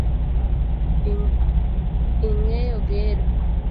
Ing’eyo gedo?